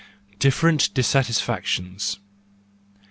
Different Dissatisfactions